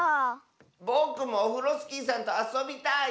ぼくもオフロスキーさんとあそびたい！